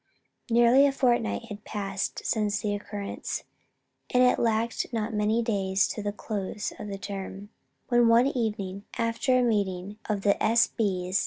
Nearly a fortnight had passed since the occurrence, and it lacked not many days to the close of the term, when one evening, after a meeting of the S. B.'